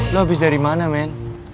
lo habis dari mana men